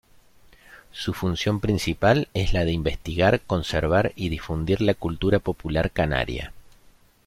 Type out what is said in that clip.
Su función principal es la de investigar, conservar y difundir la cultura popular canaria.